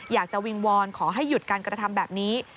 วิงวอนขอให้หยุดการกระทำแบบนี้